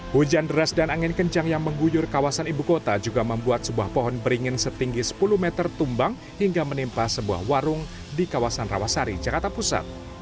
hujan deras dan angin kencang yang mengguyur kawasan ibu kota juga membuat sebuah pohon beringin setinggi sepuluh meter tumbang hingga menimpa sebuah warung di kawasan rawasari jakarta pusat